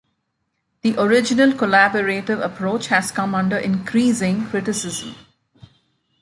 The original collaborative approach has come under increasing criticism.